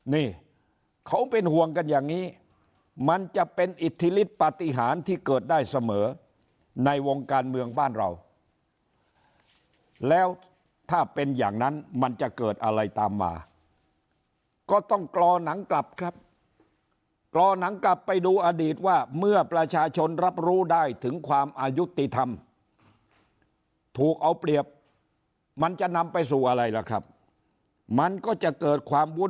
นี่เขาเป็นห่วงกันอย่างนี้มันจะเป็นอิทธิฤทธิปฏิหารที่เกิดได้เสมอในวงการเมืองบ้านเราแล้วถ้าเป็นอย่างนั้นมันจะเกิดอะไรตามมาก็ต้องกรอหนังกลับครับกรอหนังกลับไปดูอดีตว่าเมื่อประชาชนรับรู้ได้ถึงความอายุติธรรมถูกเอาเปรียบมันจะนำไปสู่อะไรล่ะครับมันก็จะเกิดความวุ้น